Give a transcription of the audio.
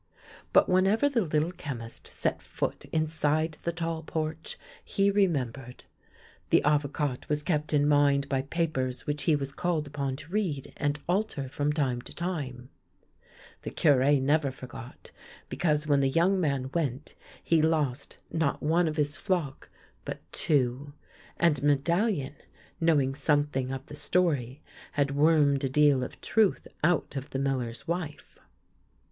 But whenever the Little Chemist set foot inside the tall porch he remembered ; the Avocat was kept in mind by papers which he was called upon to read and alter from time to time ; the Cure never forgot, because when the young man went he lost not one of his fiock, but two ; and Medallion, knowing something of the story, had wormed a deal of truth out of the miller's wife.